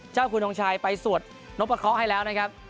เจ้าคุณหงชายไปสวดนบปะคอล์ให้แล้วนะครับ